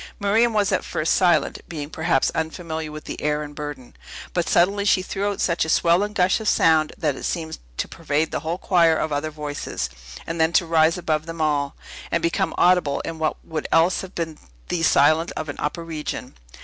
Miriam was at first silent, being perhaps unfamiliar with the air and burden. But suddenly she threw out such a swell and gush of sound, that it seemed to pervade the whole choir of other voices, and then to rise above them all, and become audible in what would else have been thee silence of an upper region.